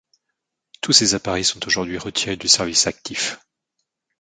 Tous ces appareils sont aujourd'hui retirés du service actif.